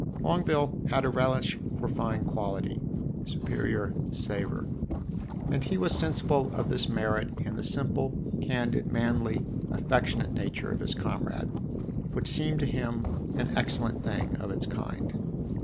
Longueville had a relish for fine quality superior savour; and he was sensible of this merit in the simple, candid, manly, affectionate nature of his comrade, which seemed to him an excellent thing of its kind.